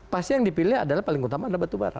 pasti yang dipilih adalah paling utama adalah batubara